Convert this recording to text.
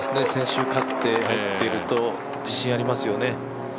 先週勝っていると自信がありますよね。